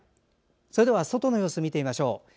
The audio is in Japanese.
それでは、外の様子見てみましょう。